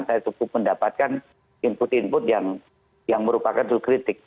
saya cukup mendapatkan input input yang merupakan dulu kritik